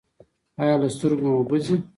ایا له سترګو مو اوبه ځي؟